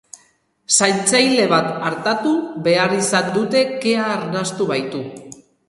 Zaintzaile bat artatu behar izan dute kea arnastu baitu.